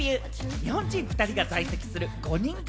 日本人２人が在籍する５人組